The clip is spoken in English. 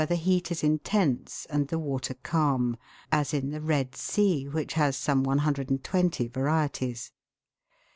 the heat is intense and the water calm, as in the Red Sea, which has some 120 varieties.